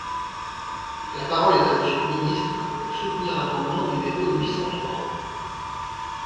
La parole est à Monsieur le ministre, pour soutenir l’amendement numéro huit cent trois.